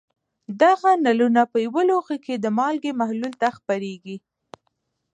دغه نلونه په یو لوښي کې د مالګې محلول ته خپرېږي.